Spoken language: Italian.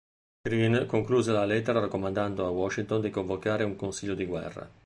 Greene concluse la lettera raccomandando a Washington di convocare un consiglio di guerra.